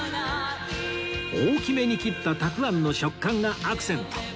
大きめに切ったたくあんの食感がアクセント